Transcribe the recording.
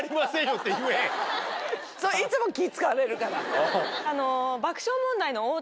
いつも気使われるから。